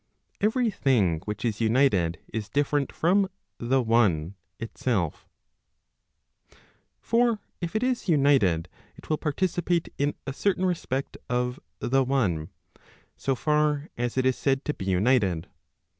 Every thing which is united is different from the one itself For if it is united, it will participate in a certain respect of the one , so far as it is said to be united.